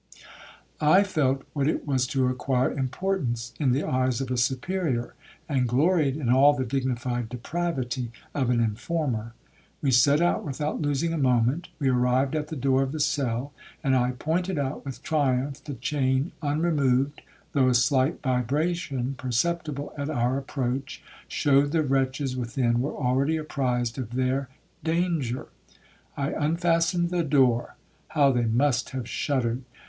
I felt what it was to acquire importance in the eyes of a Superior, and gloried in all the dignified depravity of an informer. We set out without losing a moment,—we arrived at the door of the cell, and I pointed out with triumph the chain unremoved, though a slight vibration, perceptible at our approach, showed the wretches within were already apprised of their danger. I unfastened the door,—how they must have shuddered!